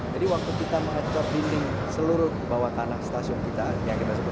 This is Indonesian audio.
jadi waktu kita menghantar dinding seluruh bawah tanah stasiun kita yang kita sebutkan